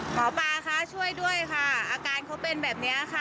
หมอปลาคะช่วยด้วยค่ะอาการเขาเป็นแบบนี้ค่ะ